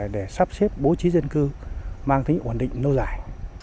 để sắp xếp bố trí dân cư mang tính ổn định lâu dài